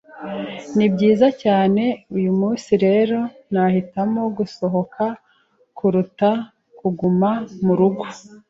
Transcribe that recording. Nibyiza cyane uyumunsi rero nahitamo gusohoka kuruta kuguma murugo.